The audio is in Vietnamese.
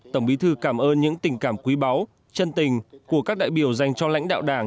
tổng bí thư cảm ơn những tình cảm quý báu chân tình của các đại biểu dành cho lãnh đạo đảng